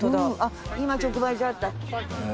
今直売所あった。